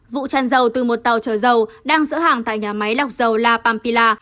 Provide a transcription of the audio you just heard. vụ tràn dầu từ một tàu chở dầu đang giữ hàng tại nhà máy lọc dầu la pampila